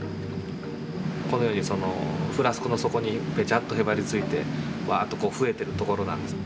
このようにフラスコの底にペチャッとへばりついてワッと増えてるところなんです。